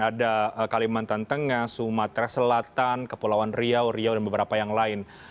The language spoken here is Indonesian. ada kalimantan tengah sumatera selatan kepulauan riau riau dan beberapa yang lain